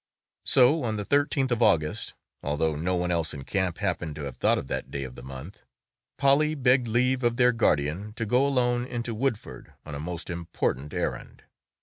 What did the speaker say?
So on the thirteenth of August (although no one else in camp happened to have thought of that day of the month) Polly begged leave of their guardian to go alone into Woodford on a most important errand.